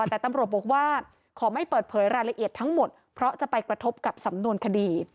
แต่ตำรวจบอกว่าขอไม่เปิดเผยรายละเอียดทั้งหมดเพราะจะไปกระทบกับสำนวนคดี